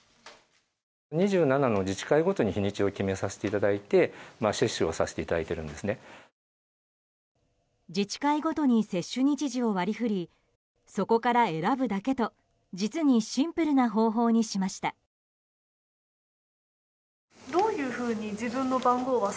自治会ごとに接種日時を割り振りそこから選ぶだけと実にシンプルな方法にしました。